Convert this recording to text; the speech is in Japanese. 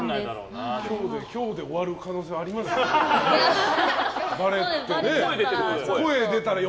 今日で終わる可能性ありますよ。